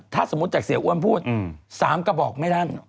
ถ้าสมมุติจากเสียอ้วนพูด๓กระบอกไม่ลั่น